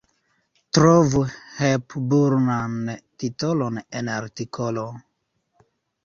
Trovu Hepburn-an titolon en artikolo.